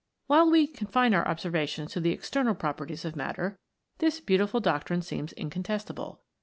While we confine our observations to the external properties of matter, this beautiful doctrine seems incontestable.